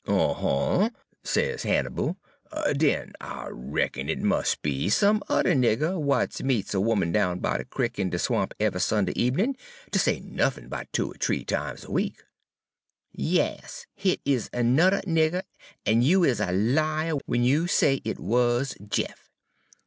"'Uh huh,' sez Hannibal, 'den I reckon it mus' be some udder nigger w'at meets a 'oman down by de crick in de swamp eve'y Sunday ebenin', ter say nuffin 'bout two er th'ee times a week.' "'Yas, hit is ernudder nigger, en you is a liah w'en you say it wuz Jeff.'